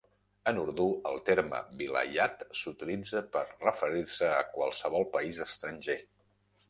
En urdú, el terme "vilayat" s'utilitza per referir-se a qualsevol país estranger.